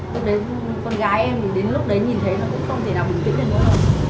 lúc đấy con gái em đến lúc đấy nhìn thấy nó cũng không thể nào bình tĩnh được nữa